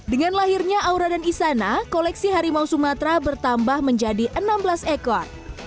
dengan lahirnya aura dan isana koleksi harimau sumatera bertambah menjadi enam belas ekor